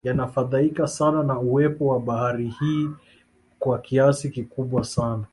Yanafaidika sana na uwepo wa bahari hii kwa kiasi kikubwa sana